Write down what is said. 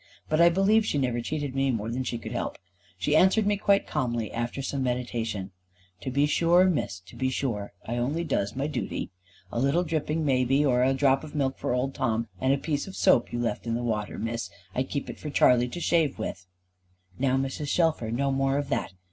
But I believe she never cheated me more than she could help. She answered me quite calmly, after some meditation: "To be sure, Miss, to be sure, I only does my dooty. A little dripping may be, or a drop of milk for old Tom, and a piece of soap you left in the water, Miss, I kept it for Charley to shave with." "Now, Mrs. Shelfer, no more of that.